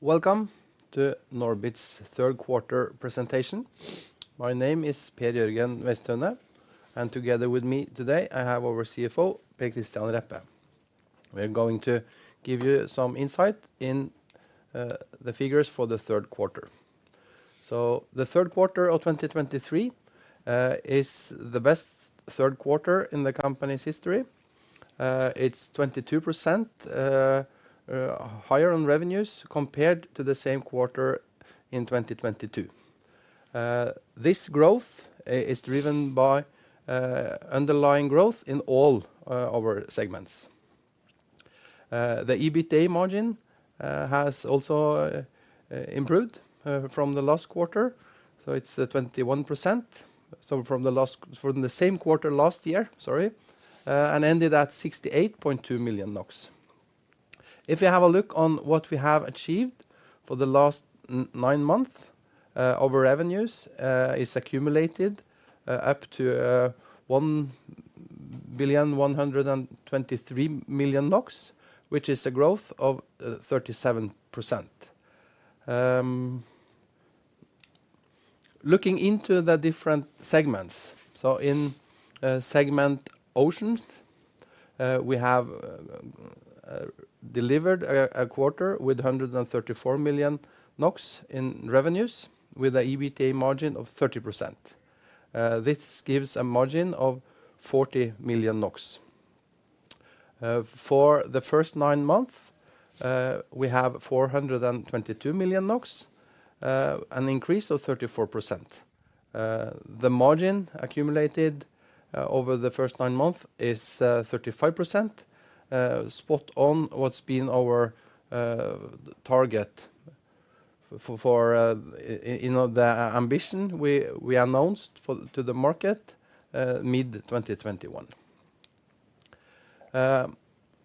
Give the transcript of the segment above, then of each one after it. Welcome to Norbit's third-quarter presentation. My name is Per Jørgen Weisethaunet, and together with me today I have our CFO, Per Kristian Reppe. We're going to give you some insight in the figures for the third quarter. So the third quarter of 2023 is the best third quarter in the company's history. It's 22% higher on revenues compared to the same quarter in 2022. This growth is driven by underlying growth in all our segments. The EBITDA margin has also improved from the last quarter, so it's 21%, so from the last quarter from the same quarter last year, sorry, and ended at 68.2 million NOK. If you have a look on what we have achieved for the last nine months, our revenues is accumulated up to 1,123,000,000 NOK, which is a growth of 37%. Looking into the different segments, so in segment Oceans, we have delivered a quarter with 134 million NOK in revenues with an EBITDA margin of 30%. This gives a margin of 40 million NOK. For the first nine months, we have 422 million NOK, an increase of 34%. The margin accumulated over the first nine months is 35%, spot on what's been our target for, you know, the ambition we announced to the market, mid-2021.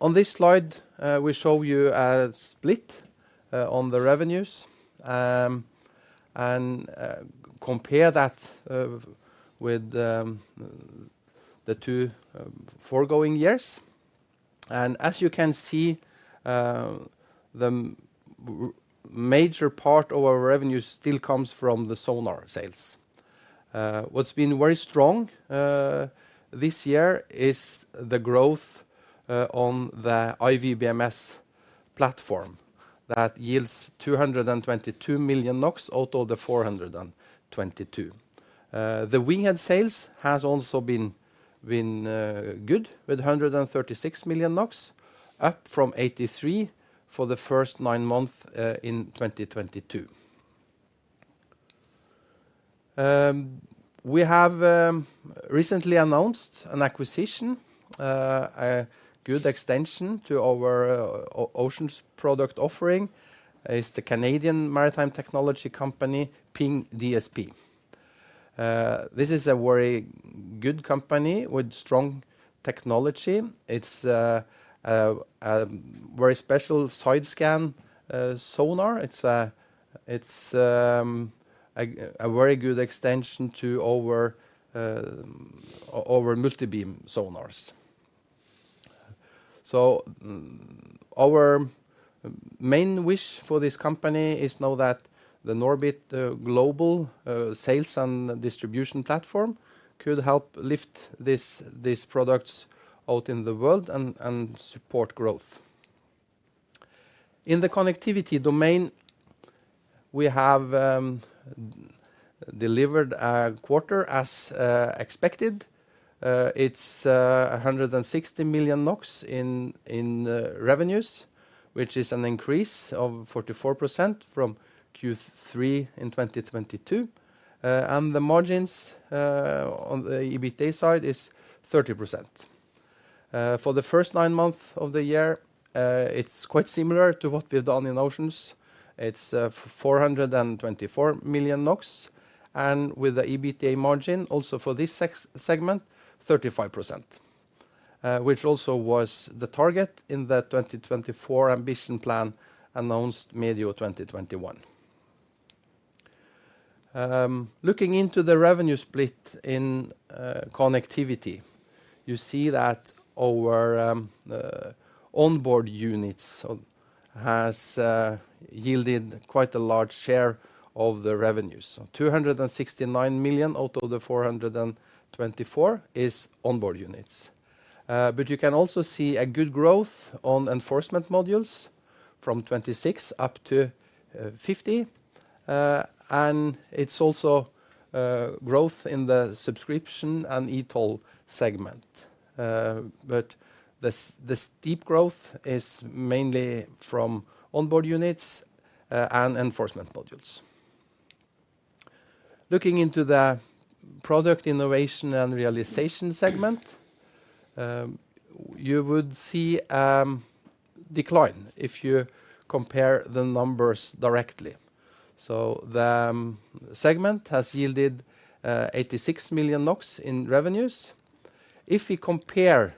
On this slide, we show you a split on the revenues and compare that with the two foregoing years. And as you can see, the major part of our revenues still comes from the sonar sales. What's been very strong this year is the growth on the iWBMS platform that yields 222 million NOK out of the 422 million. The WINGHEAD sales have also been good with 136 million NOK, up from 83 million for the first nine months in 2022. We have recently announced an acquisition, a good extension to our Oceans product offering, is the Canadian maritime technology company Ping DSP. This is a very good company with strong technology. It's a very special side-scan sonar. It's a very good extension to our multibeam sonars. So our main wish for this company is now that the NORBIT global sales and distribution platform could help lift these products out in the world and support growth. In the Connectivity domain, we have delivered a quarter as expected. It's 160 million NOK in revenues, which is an increase of 44% from Q3 in 2022. And the margins on the EBITDA side is 30%. For the first nine months of the year, it's quite similar to what we've done in Oceans. It's 424 million NOK, and with the EBITDA margin also for this segment 35%, which also was the target in the 2024 ambition plan announced mid-year 2021. Looking into the revenue split in Connectivity, you see that our onboard units has yielded quite a large share of the revenues. 269 million NOK out of the 424 million NOK is onboard units. But you can also see a good growth on enforcement modules from 26 million NOK up to 50 million NOK. And it's also growth in the subscription and e-toll segment. But the steep growth is mainly from onboard units and enforcement modules. Looking into the Product Innovation and Realization segment, you would see decline if you compare the numbers directly. So the segment has yielded 86 million NOK in revenues. If we compare,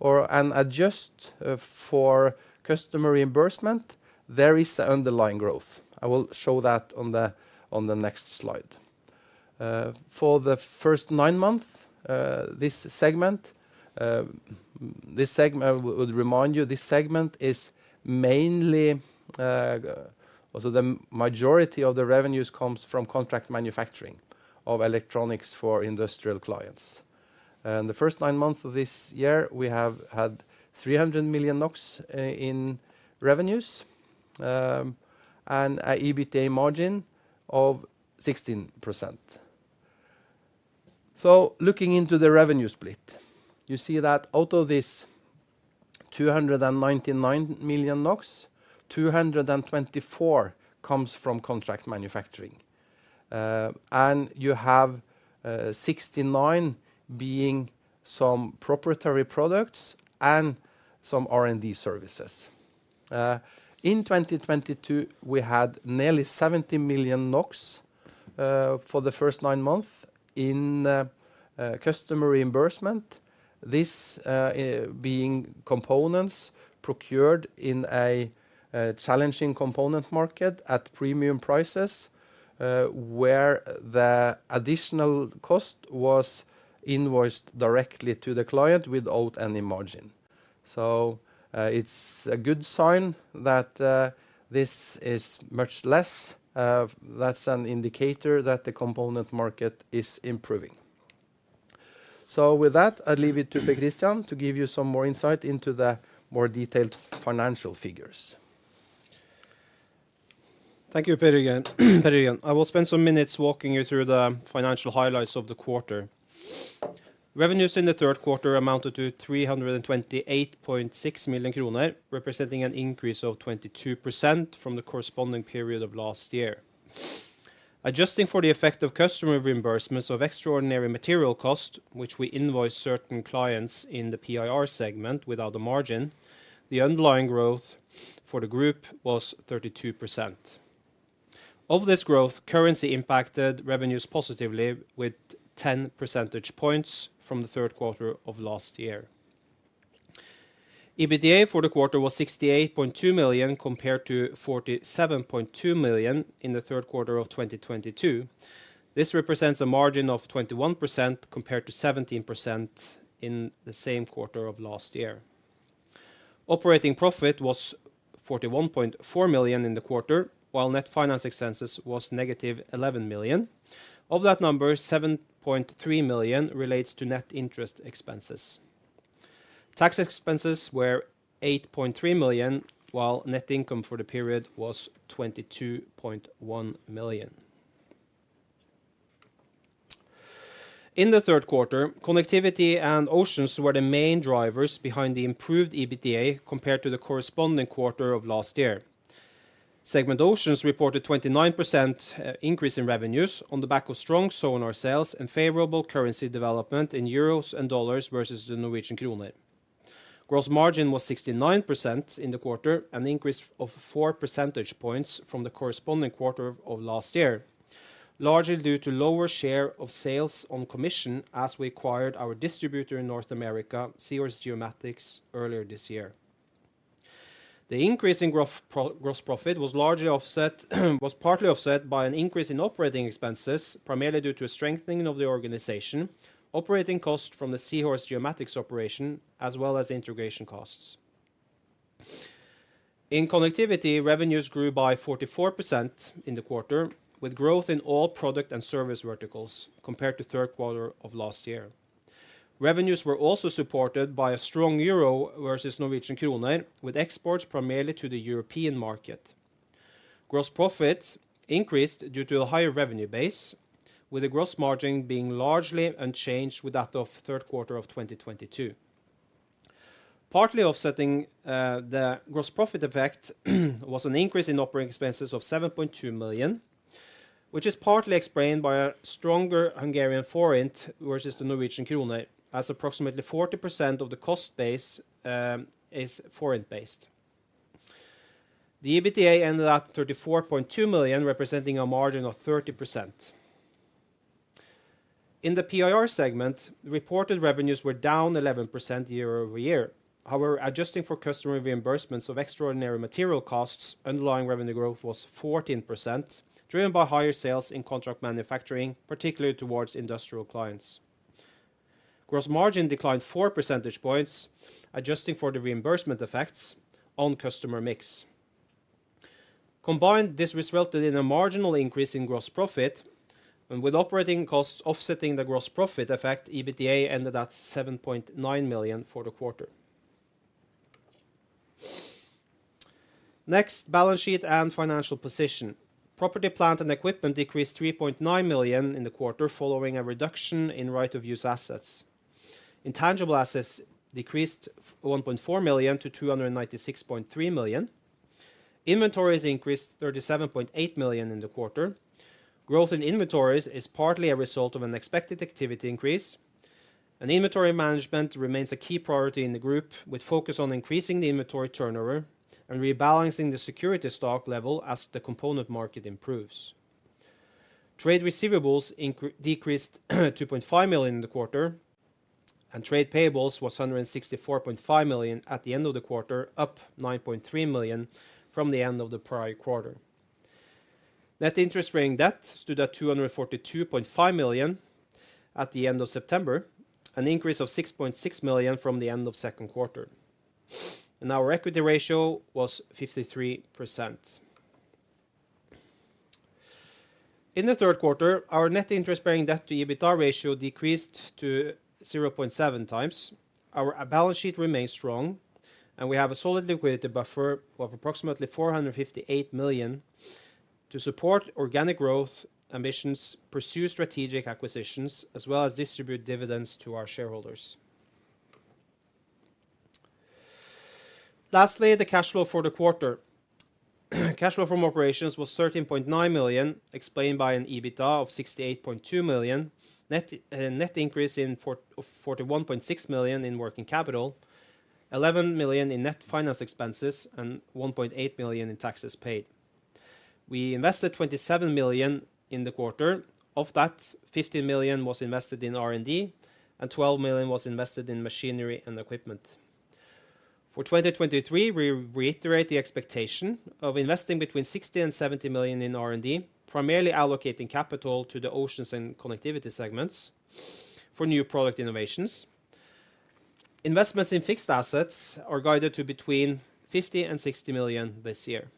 or and adjust, for customer reimbursement, there is an underlying growth. I will show that on the next slide. For the first nine months, this segment, this segment, I would remind you, this segment is mainly, also the majority of the revenues comes from contract manufacturing of electronics for industrial clients. The first nine months of this year, we have had 300 million NOK in revenues, and an EBITDA margin of 16%. So looking into the revenue split, you see that out of this 299 million NOK, 224 comes from contract manufacturing. And you have, 69 being some proprietary products and some R&D services. In 2022, we had nearly 70 million NOK, for the first nine months in customer reimbursement. This being components procured in a challenging component market at premium prices, where the additional cost was invoiced directly to the client without any margin. So, it's a good sign that this is much less. That's an indicator that the component market is improving. So with that, I'd leave it to Per Kristian to give you some more insight into the more detailed financial figures. Thank you, Per Jørgen. I will spend some minutes walking you through the financial highlights of the quarter. Revenues in the third quarter amounted to 328.6 million kroner, representing an increase of 22% from the corresponding period of last year. Adjusting for the effect of customer reimbursements of extraordinary material cost, which we invoice certain clients in the PIR segment without a margin, the underlying growth for the group was 32%. Of this growth, currency impacted revenues positively with 10 percentage points from the third quarter of last year. EBITDA for the quarter was 68.2 million compared to 47.2 million in the third quarter of 2022. This represents a margin of 21% compared to 17% in the same quarter of last year. Operating profit was 41.4 million in the quarter, while net finance expenses was negative 11 million. Of that number, 7.3 million relates to net interest expenses. Tax expenses were 8.3 million, while net income for the period was 22.1 million. In the third quarter, Connectivity and Oceans were the main drivers behind the improved EBITDA compared to the corresponding quarter of last year. Segment Oceans reported 29% increase in revenues on the back of strong sonar sales and favorable currency development in euros and dollars versus the Norwegian krone. Gross margin was 69% in the quarter, an increase of 4 percentage points from the corresponding quarter of last year, largely due to lower share of sales on commission as we acquired our distributor in North America, Seahorse Geomatics, earlier this year. The increase in gross profit was largely offset, was partly offset by an increase in operating expenses, primarily due to a strengthening of the organization, operating costs from the Seahorse Geomatics operation, as well as integration costs. In Connectivity, revenues grew by 44% in the quarter, with growth in all product and service verticals compared to the third quarter of last year. Revenues were also supported by a strong euro versus Norwegian krone, with exports primarily to the European market. Gross profit increased due to a higher revenue base, with the gross margin being largely unchanged with that of the third quarter of 2022. Partly offsetting, the gross profit effect was an increase in operating expenses of 7.2 million, which is partly explained by a stronger Hungarian forint versus the Norwegian krone, as approximately 40% of the cost base is forint-based. The EBITDA ended at 34.2 million, representing a margin of 30%. In the PIR segment, reported revenues were down 11% year-over-year. However, adjusting for customer reimbursements of extraordinary material costs, underlying revenue growth was 14%, driven by higher sales in contract manufacturing, particularly towards industrial clients. Gross margin declined 4 percentage points, adjusting for the reimbursement effects on customer mix. Combined, this resulted in a marginal increase in gross profit, and with operating costs offsetting the gross profit effect, EBITDA ended at 7.9 million for the quarter. Next, balance sheet and financial position. Property, plant, and equipment decreased 3.9 million in the quarter following a reduction in right-of-use assets. Intangible assets decreased 1.4 million to 296.3 million. Inventories increased 37.8 million in the quarter. Growth in inventories is partly a result of an expected activity increase. Inventory management remains a key priority in the group, with focus on increasing the inventory turnover and rebalancing the security stock level as the component market improves. Trade receivables decreased 2.5 million in the quarter, and trade payables were 164.5 million at the end of the quarter, up 9.3 million from the end of the prior quarter. Net interest-bearing debt stood at 242.5 million at the end of September, an increase of 6.6 million from the end of the second quarter. Our equity ratio was 53%. In the third quarter, our net interest-bearing debt-to-EBITDA ratio decreased to 0.7x. Our balance sheet remains strong, and we have a solid liquidity buffer of approximately 458 million to support organic growth ambitions, pursue strategic acquisitions, as well as distribute dividends to our shareholders. Lastly, the cash flow for the quarter. Cash flow from operations was 13.9 million, explained by an EBITDA of 68.2 million, net increase in 41.6 million in working capital, 11 million in net finance expenses, and 1.8 million in taxes paid. We invested 27 million in the quarter. Of that, 15 million was invested in R&D, and 12 million was invested in machinery and equipment. For 2023, we reiterate the expectation of investing between 60 million and 70 million in R&D, primarily allocating capital to the Oceans and Connectivity segments for new product innovations. Investments in fixed assets are guided to between 50 million and 60 million this year.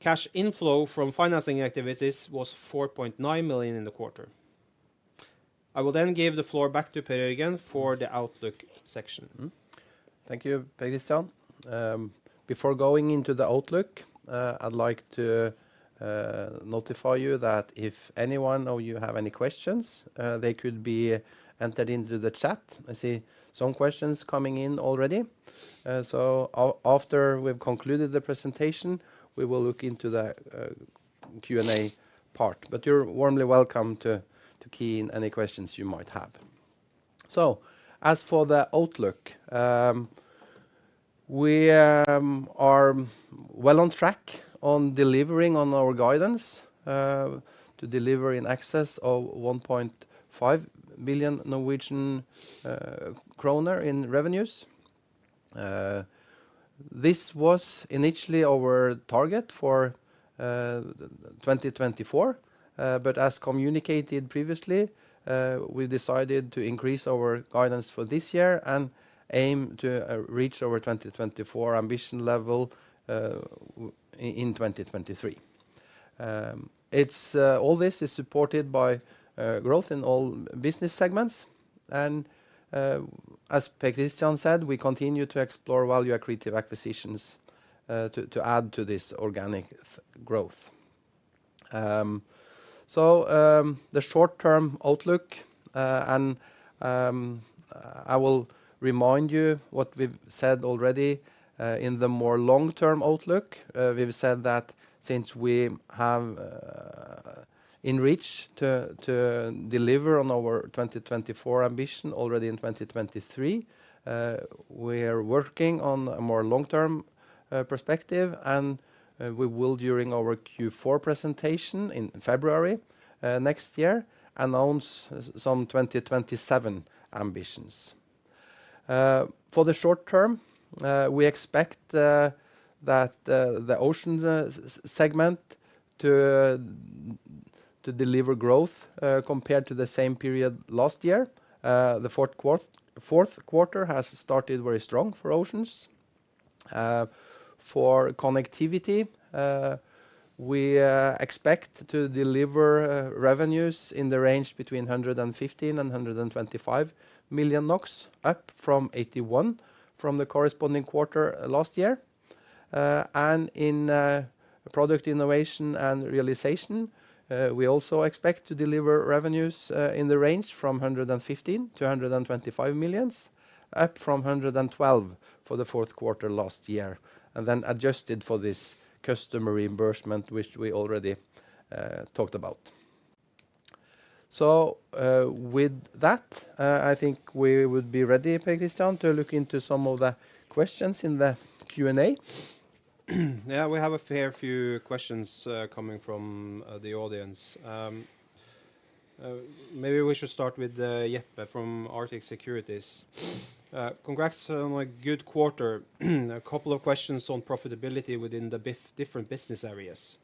Cash inflow from financing activities was 4.9 million in the quarter. I will then give the floor back to Per Jørgen for the Outlook section. Thank you, Per Kristian. Before going into the Outlook, I'd like to notify you that if anyone of you have any questions, they could be entered into the chat. I see some questions coming in already. So after we've concluded the presentation, we will look into the Q&A part. But you're warmly welcome to key in any questions you might have. So as for the Outlook, we are well on track on delivering on our guidance to deliver in excess of 1.5 million Norwegian kroner in revenues. This was initially our target for 2024, but as communicated previously, we decided to increase our guidance for this year and aim to reach our 2024 ambition level in 2023. All this is supported by growth in all business segments. And as Per Kristian said, we continue to explore value-accretive acquisitions to add to this organic growth. So the short-term outlook, and I will remind you what we've said already. In the more long-term outlook, we've said that since we have managed to deliver on our 2024 ambition already in 2023, we are working on a more long-term perspective. And we will, during our Q4 presentation in February next year, announce some 2027 ambitions. For the short term, we expect that the Oceans segment to deliver growth compared to the same period last year. The fourth quarter has started very strong for Oceans. For Connectivity, we expect to deliver revenues in the range between 115 and 125 million NOK, up from 81 million NOK from the corresponding quarter last year. In product innovation and realization, we also expect to deliver revenues in the range from 115 million-125 million, up from 112 million for the fourth quarter last year, and then adjusted for this customer reimbursement, which we already talked about. So with that, I think we would be ready, Per Kristian, to look into some of the questions in the Q&A. Yeah, we have a fair few questions coming from the audience. Maybe we should start with Jeppe from Arctic Securities. Congrats on a good quarter. A couple of questions on profitability within the different business areas.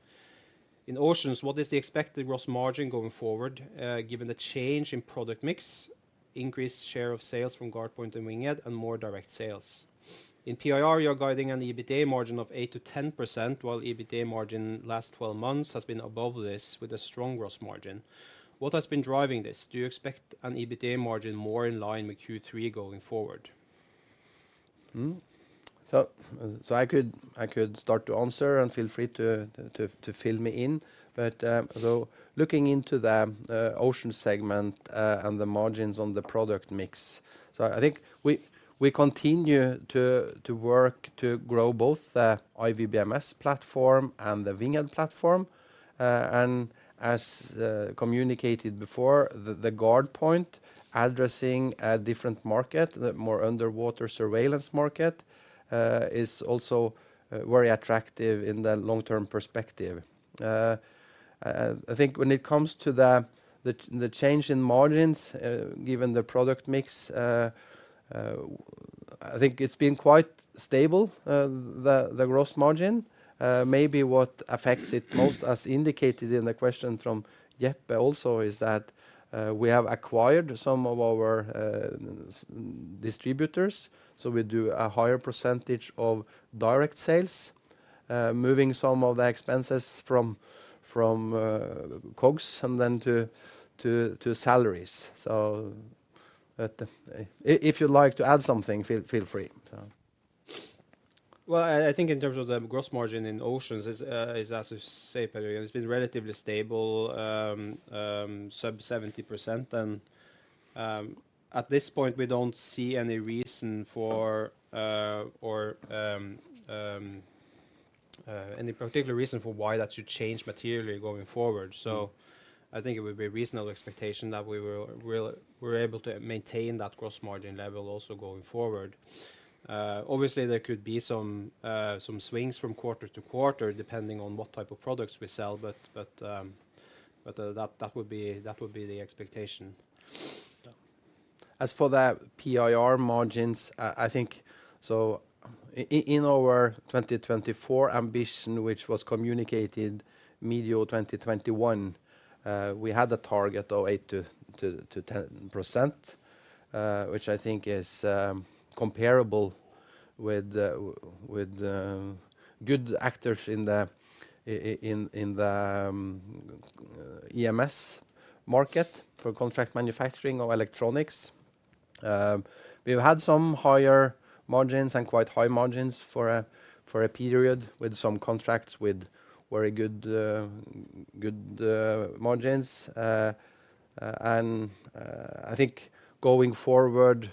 In Oceans, what is the expected gross margin going forward given the change in product mix, increased share of sales from GuardPoint and WINGHEAD, and more direct sales? In PIR, you are guiding an EBITDA margin of 8%-10%, while EBITDA margin last 12 months has been above this with a strong gross margin. What has been driving this? Do you expect an EBITDA margin more in line with Q3 going forward? So I could start to answer and feel free to fill me in. But looking into the Oceans segment and the margins on the product mix, so I think we continue to work to grow both the iWBMS platform and the WINGHEAD platform. And as communicated before, the GuardPoint, addressing a different market, the more underwater surveillance market, is also very attractive in the long-term perspective. I think when it comes to the change in margins given the product mix, I think it's been quite stable, the gross margin. Maybe what affects it most, as indicated in the question from Jeppe also, is that we have acquired some of our distributors, so we do a higher percentage of direct sales, moving some of the expenses from COGS and then to salaries. So if you'd like to add something, feel free. Well, I think in terms of the gross margin in Oceans, as you say, it's been relatively stable, sub 70%. At this point, we don't see any reason for or any particular reason for why that should change materially going forward. I think it would be a reasonable expectation that we were able to maintain that gross margin level also going forward. Obviously, there could be some swings from quarter to quarter depending on what type of products we sell, but that would be the expectation. As for the PIR margins, I think so in our 2024 ambition, which was communicated mid-2021, we had a target of 8%-10%, which I think is comparable with good actors in the EMS market for contract manufacturing of electronics. We've had some higher margins and quite high margins for a period with some contracts with very good margins. And I think going forward,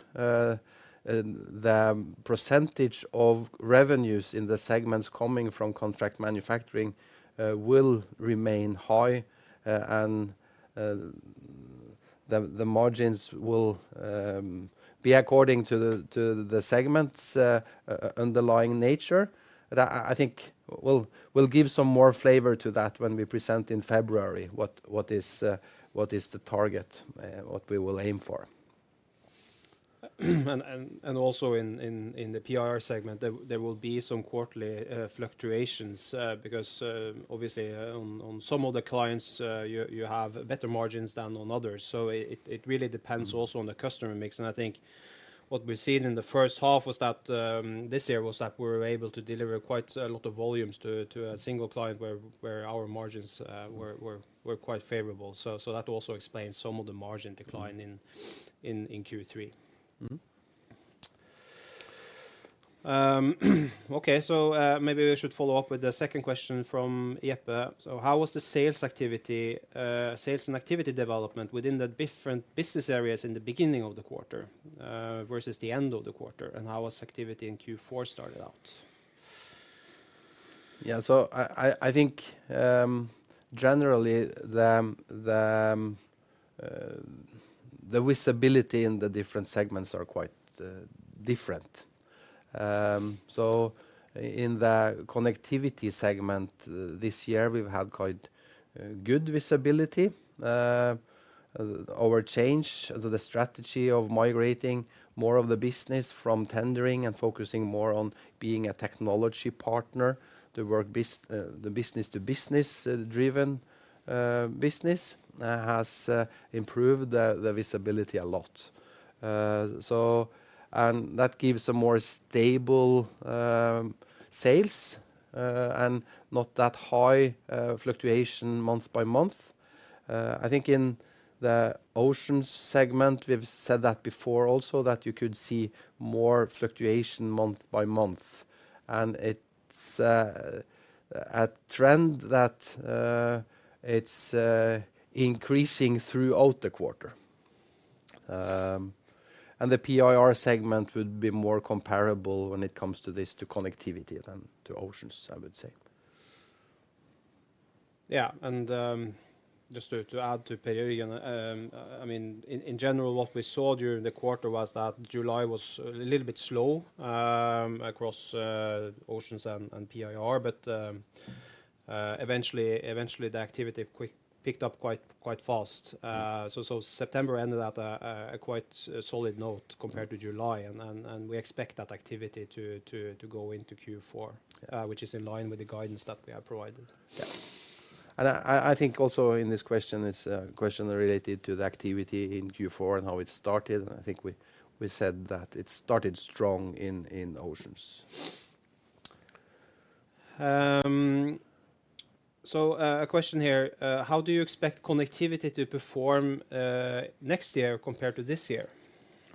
the percentage of revenues in the segments coming from contract manufacturing will remain high, and the margins will be according to the segment's underlying nature. I think we'll give some more flavor to that when we present in February what is the target, what we will aim for. And also in the PIR segment, there will be some quarterly fluctuations because obviously on some of the clients, you have better margins than on others. So it really depends also on the customer mix. And I think what we've seen in the first half was that this year was that we were able to deliver quite a lot of volumes to a single client where our margins were quite favorable. So that also explains some of the margin decline in Q3. Okay, so maybe we should follow up with the second question from Jeppe. So how was the sales activity and activity development within the different business areas in the beginning of the quarter versus the end of the quarter? And how was activity in Q4 started out? Yeah. So I think generally, the visibility in the different segments are quite different. So in the Connectivity segment this year, we've had quite good visibility. Our change, the strategy of migrating more of the business from tendering and focusing more on being a technology partner, the business-to-business-driven business has improved the visibility a lot. And that gives some more stable sales and not that high fluctuation month by month. I think in the Oceans segment, we've said that before also, that you could see more fluctuation month by month. And it's a trend that it's increasing throughout the quarter. And the PIR segment would be more comparable when it comes to this to Connectivity than to Oceans, I would say. Yeah, and just to add to Per Jørgen, I mean, in general, what we saw during the quarter was that July was a little bit slow across Oceans and PIR. But eventually, the activity picked up quite fast. So September ended at a quite solid note compared to July. And we expect that activity to go into Q4, which is in line with the guidance that we have provided. I think also in this question is a question related to the activity in Q4 and how it started. I think we said that it started strong in Oceans. A question here. How do you expect Connectivity to perform next year compared to this year?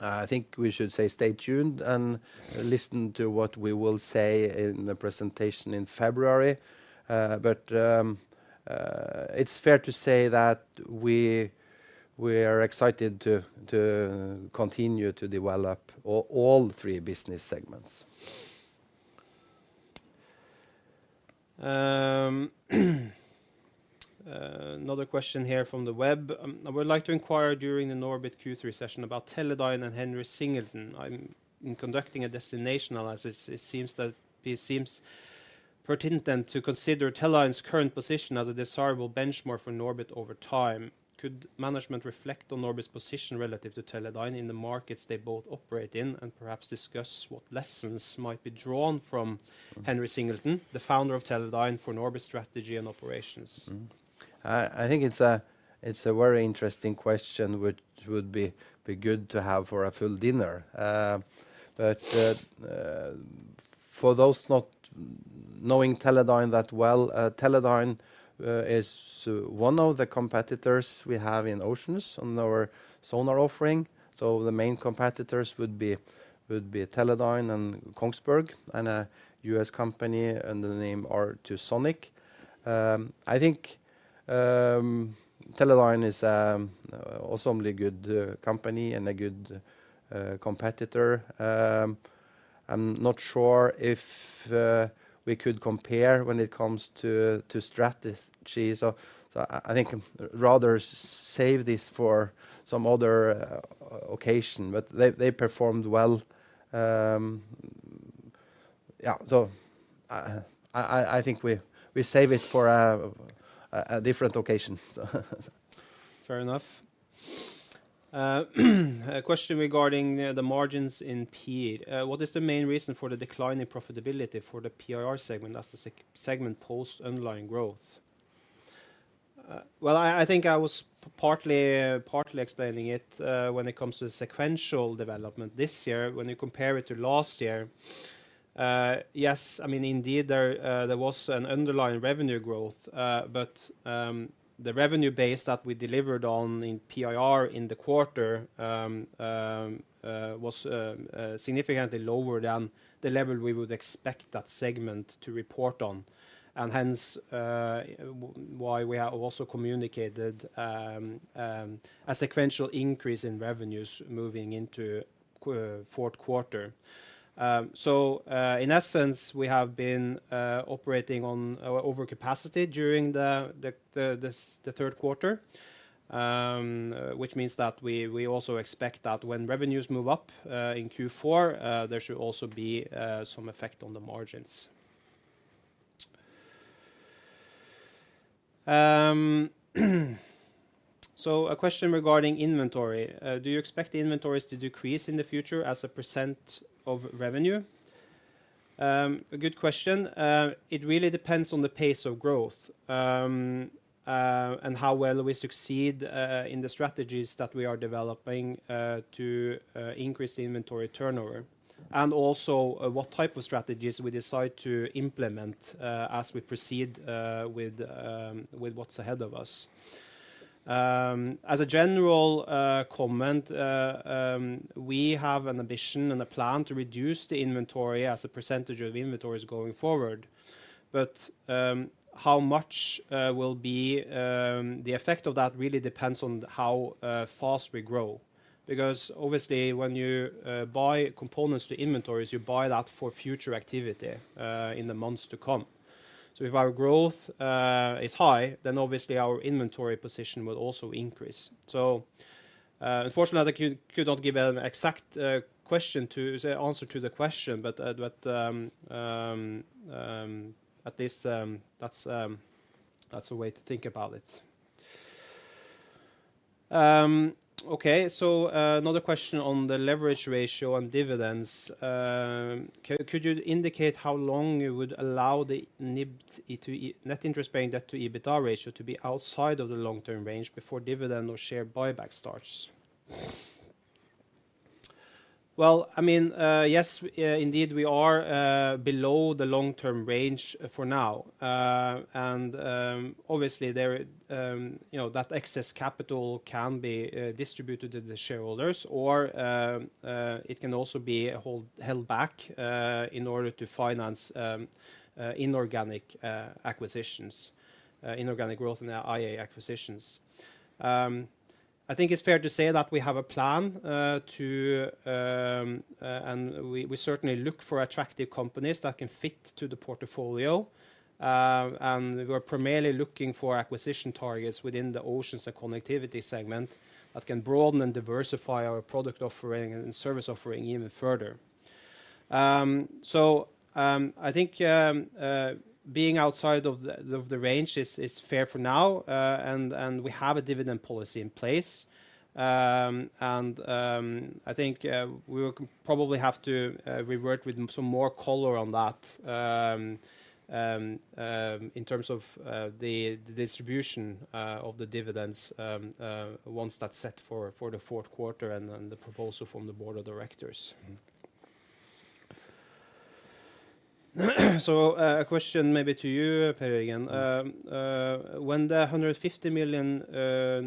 I think we should say stay tuned and listen to what we will say in the presentation in February. But it's fair to say that we are excited to continue to develop all three business segments. Another question here from the web. I would like to inquire during the NORBIT Q3 session about Teledyne and Henry Singleton. I'm conducting a destinational analysis. It seems pertinent to consider Teledyne's current position as a desirable benchmark for NORBIT over time. Could management reflect on NORBIT's position relative to Teledyne in the markets they both operate in and perhaps discuss what lessons might be drawn from Henry Singleton, the founder of Teledyne for NORBIT's strategy and operations? I think it's a very interesting question which would be good to have for a full dinner. But for those not knowing Teledyne that well, Teledyne is one of the competitors we have in Oceans on our sonar offering. So the main competitors would be Teledyne and Kongsberg, and a U.S. company under the name R2Sonic. I think Teledyne is an awesomely good company and a good competitor. I'm not sure if we could compare when it comes to strategy. So I think rather save this for some other occasion. But they performed well. Yeah, so I think we save it for a different occasion. Fair enough. A question regarding the margins in PIR. What is the main reason for the decline in profitability for the PIR segment as the segment posts underlying growth? Well, I think I was partly explaining it when it comes to the sequential development this year. When you compare it to last year, yes, I mean, indeed, there was an underlying revenue growth. But the revenue base that we delivered on in PIR in the quarter was significantly lower than the level we would expect that segment to report on. And hence why we have also communicated a sequential increase in revenues moving into fourth quarter. So in essence, we have been operating on overcapacity during the third quarter, which means that we also expect that when revenues move up in Q4, there should also be some effect on the margins. A question regarding inventory. Do you expect inventories to decrease in the future as a percent of revenue? Good question. It really depends on the pace of growth and how well we succeed in the strategies that we are developing to increase the inventory turnover. Also what type of strategies we decide to implement as we proceed with what's ahead of us. As a general comment, we have an ambition and a plan to reduce the inventory as a percentage of inventories going forward. How much will be the effect of that really depends on how fast we grow. Because obviously, when you buy components to inventories, you buy that for future activity in the months to come. If our growth is high, then obviously, our inventory position will also increase. Unfortunately, I could not give an exact answer to the question, but at least that's a way to think about it. Okay, so another question on the leverage ratio and dividends. Could you indicate how long you would allow the net interest paying debt to EBITDA ratio to be outside of the long-term range before dividend or share buyback starts? Well, I mean, yes, indeed, we are below the long-term range for now. Obviously, that excess capital can be distributed to the shareholders, or it can also be held back in order to finance inorganic growth and M&A acquisitions. I think it's fair to say that we have a plan, and we certainly look for attractive companies that can fit to the portfolio. We're primarily looking for acquisition targets within the Oceans and Connectivity segment that can broaden and diversify our product offering and service offering even further. So I think being outside of the range is fair for now, and we have a dividend policy in place. I think we will probably have to revert with some more color on that in terms of the distribution of the dividends once that's set for the fourth quarter and the proposal from the board of directors. A question maybe to you, Per Jørgen. When the 150 million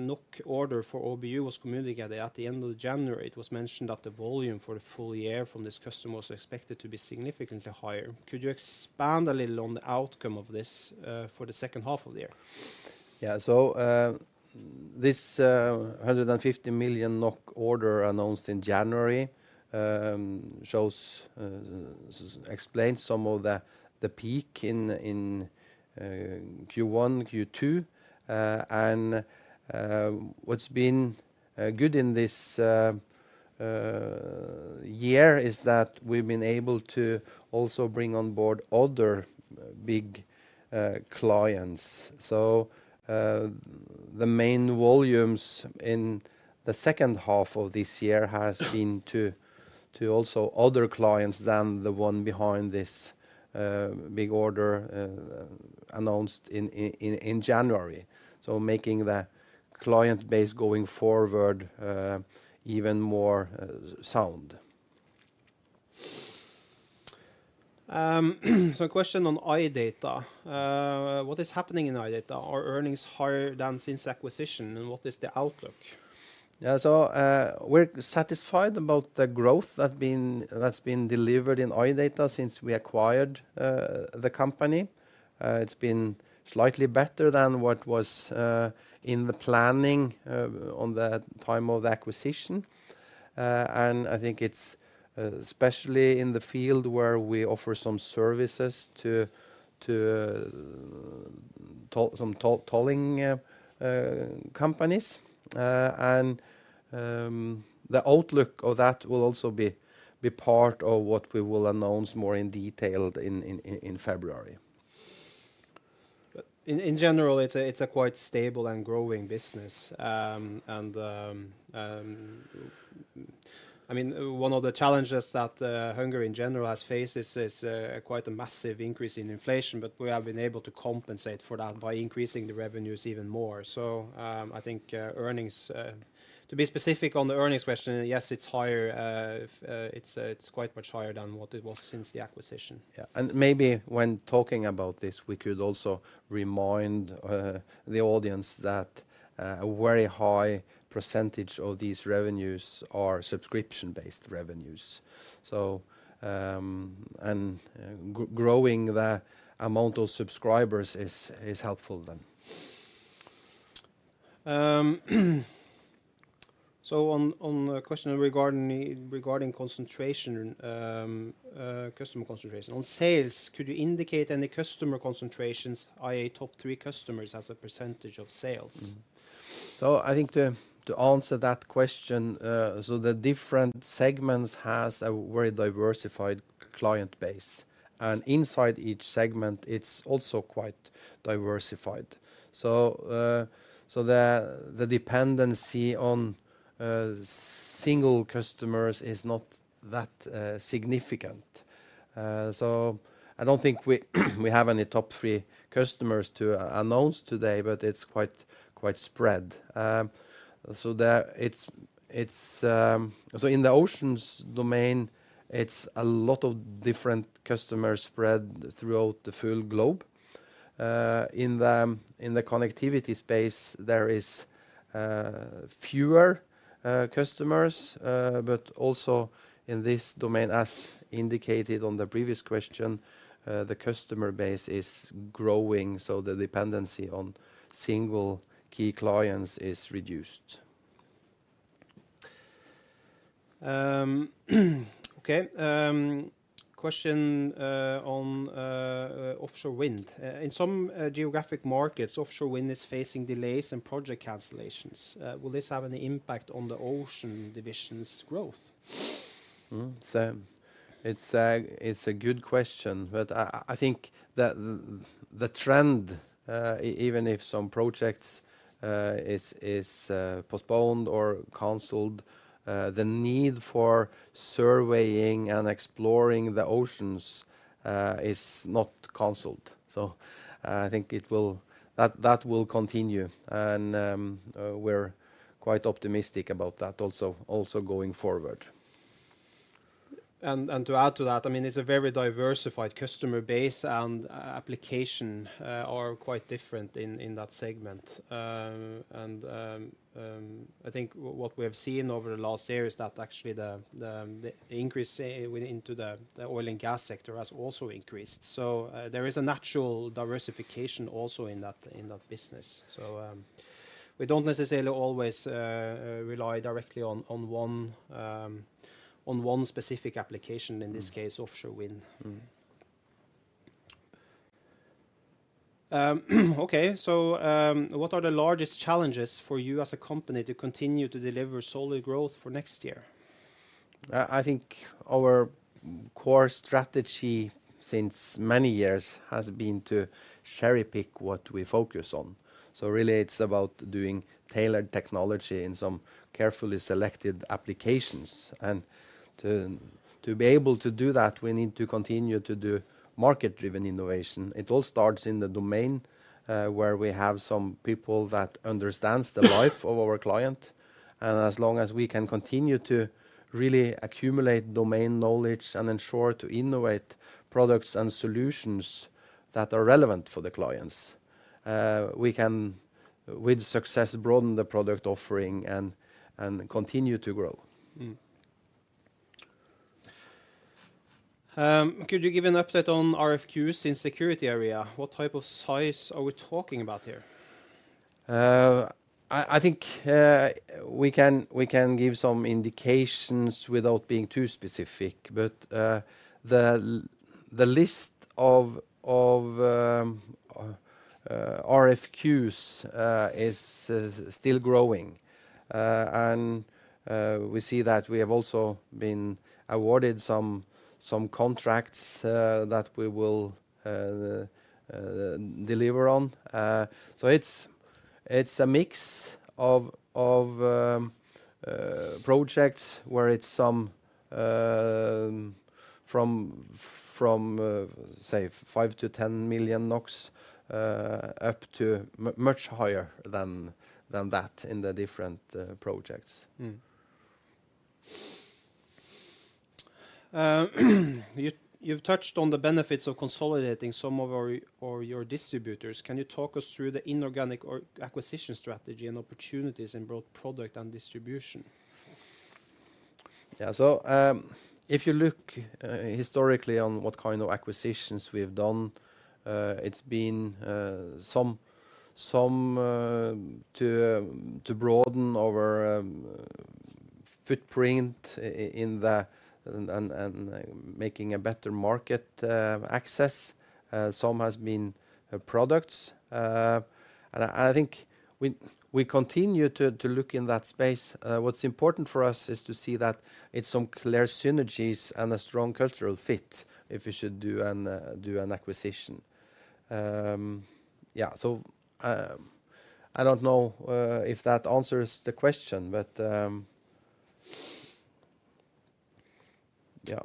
NOK order for OBU was communicated at the end of January, it was mentioned that the volume for the full year from this customer was expected to be significantly higher. Could you expand a little on the outcome of this for the second half of the year? Yeah, so this 150 million NOK order announced in January explains some of the peak in Q1, Q2. What's been good in this year is that we've been able to also bring on board other big clients. The main volumes in the second half of this year have been to also other clients than the one behind this big order announced in January. Making the client base going forward even more sound. A question on iData. What is happening in iData? Are earnings higher than since acquisition, and what is the outlook? Yeah, so we're satisfied about the growth that's been delivered in iData since we acquired the company. It's been slightly better than what was in the planning on the time of the acquisition. And I think it's especially in the field where we offer some services to some tolling companies. And the outlook of that will also be part of what we will announce more in detail in February. In general, it's a quite stable and growing business. And I mean, one of the challenges that Hungary in general has faced is quite a massive increase in inflation, but we have been able to compensate for that by increasing the revenues even more. So I think earnings, to be specific on the earnings question, yes, it's quite much higher than what it was since the acquisition. Yeah, maybe when talking about this, we could also remind the audience that a very high percentage of these revenues are subscription-based revenues. Growing the amount of subscribers is helpful then. On a question regarding customer concentration. In sales, could you indicate any customer concentrations, i.e., top three customers, as a percentage of sales? So I think to answer that question, so the different segments have a very diversified client base. And inside each segment, it's also quite diversified. So the dependency on single customers is not that significant. So I don't think we have any top three customers to announce today, but it's quite spread. So in the Oceans domain, it's a lot of different customers spread throughout the full globe. In the Connectivity space, there are fewer customers. But also in this domain, as indicated on the previous question, the customer base is growing, so the dependency on single key clients is reduced. Okay, question on offshore wind. In some geographic markets, offshore wind is facing delays and project cancellations. Will this have any impact on the Oceans division's growth? Same. It's a good question. But I think the trend, even if some projects are postponed or canceled, the need for surveying and exploring the Oceans is not canceled. So I think that will continue. And we're quite optimistic about that also going forward. And to add to that, I mean, it's a very diversified customer base, and applications are quite different in that segment. And I think what we have seen over the last year is that actually the increase into the oil and gas sector has also increased. So there is a natural diversification also in that business. So we don't necessarily always rely directly on one specific application, in this case, offshore wind. Okay, so what are the largest challenges for you as a company to continue to deliver solid growth for next year? I think our core strategy since many years has been to cherry-pick what we focus on. So really, it's about doing tailored technology in some carefully selected applications. And to be able to do that, we need to continue to do market-driven innovation. It all starts in the domain where we have some people that understand the life of our client. And as long as we can continue to really accumulate domain knowledge and ensure to innovate products and solutions that are relevant for the clients, we can, with success, broaden the product offering and continue to grow. Could you give an update on RFQs in the security area? What type of size are we talking about here? I think we can give some indications without being too specific. The list of RFQs is still growing. We see that we have also been awarded some contracts that we will deliver on. It's a mix of projects where it's from, say, 5 million-10 million NOK up to much higher than that in the different projects. You've touched on the benefits of consolidating some of your distributors. Can you talk us through the inorganic acquisition strategy and opportunities in both product and distribution? Yeah, so if you look historically on what kind of acquisitions we've done, it's been some to broaden our footprint and making a better market access. Some have been products. I think we continue to look in that space. What's important for us is to see that it's some clear synergies and a strong cultural fit if we should do an acquisition. Yeah, so I don't know if that answers the question, but yeah.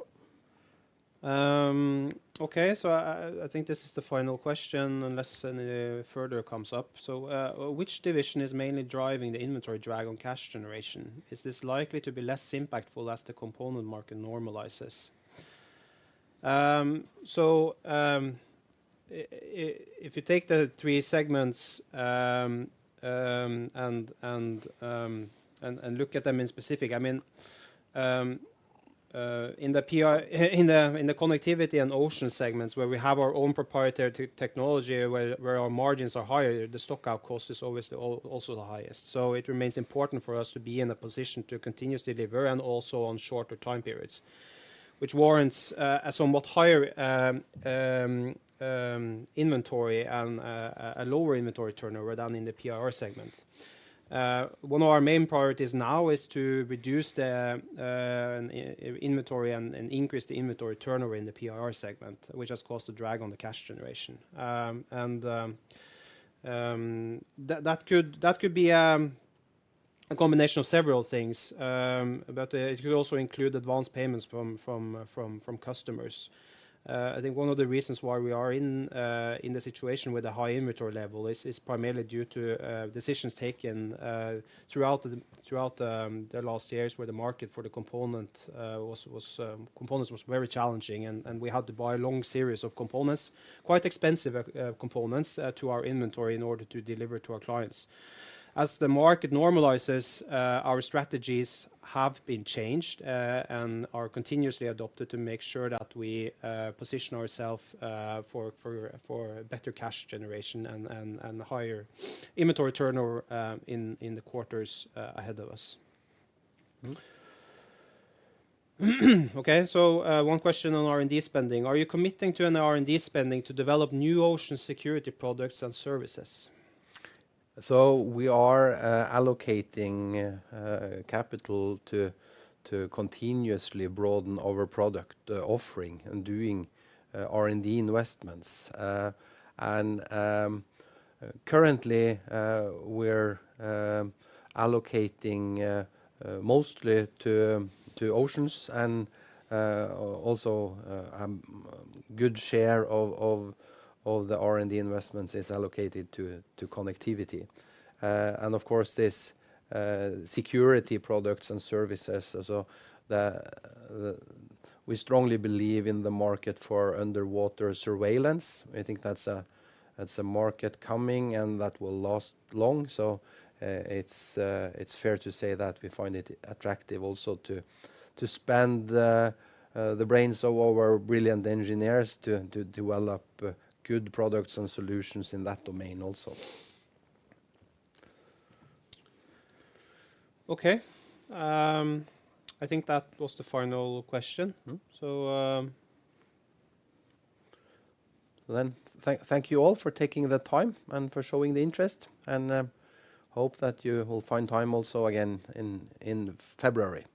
Okay, so I think this is the final question unless any further comes up. So which division is mainly driving the inventory drag on cash generation? Is this likely to be less impactful as the component market normalizes? So if you take the three segments and look at them in specific, I mean, in the Connectivity and Oceans segments where we have our own proprietary technology, where our margins are higher, the stockout cost is obviously also the highest. So it remains important for us to be in a position to continuously deliver and also on shorter time periods, which warrants a somewhat higher inventory and a lower inventory turnover than in the PIR segment. One of our main priorities now is to reduce the inventory and increase the inventory turnover in the PIR segment, which has caused a drag on the cash generation. That could be a combination of several things, but it could also include advanced payments from customers. I think one of the reasons why we are in the situation with a high inventory level is primarily due to decisions taken throughout the last years where the market for the components was very challenging. We had to buy a long series of components, quite expensive components, to our inventory in order to deliver to our clients. As the market normalizes, our strategies have been changed and are continuously adopted to make sure that we position ourselves for better cash generation and higher inventory turnover in the quarters ahead of us. Okay, so one question on R&D spending. Are you committing to an R&D spending to develop new Oceans security products and services? So we are allocating capital to continuously broaden our product offering and doing R&D investments. And currently, we're allocating mostly to Oceans, and also a good share of the R&D investments is allocated to Connectivity. And of course, these security products and services, we strongly believe in the market for underwater surveillance. I think that's a market coming, and that will last long. So it's fair to say that we find it attractive also to spend the brains of our brilliant engineers to develop good products and solutions in that domain also. Okay, I think that was the final question. Thank you all for taking the time and for showing the interest. And hope that you will find time also again in February.